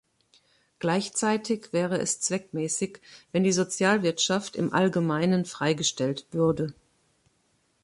Gleichzeitig wäre es zweckmäßig, wenn die Sozialwirtschaft im Allgemeinen freigestellt würde.